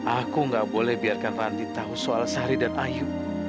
aku gak boleh biarkan randi tahu soal sari dan ayu